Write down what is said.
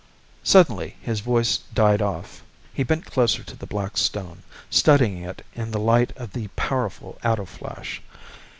Suddenly his voice died off. He bent closer to the black stone, studying it in the light of the powerful ato flash.